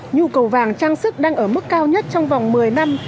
nhu cầu vàng trang sức đang ở mức cao nhất trong vòng một mươi năm